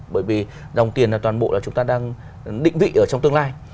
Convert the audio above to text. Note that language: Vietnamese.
bởi vì dòng tiền toàn bộ là chúng ta đang định vị ở trong tương lai